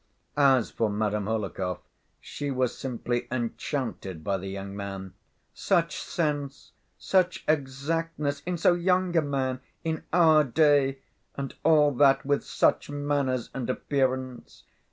As for Madame Hohlakov, she was simply enchanted by the young man. "Such sense! such exactness! in so young a man! in our day! and all that with such manners and appearance!